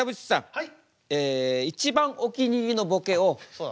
はい。